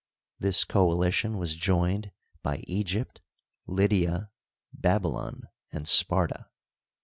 This coalition was joined by Egypt, Lydia, Babylon, ana Sparta.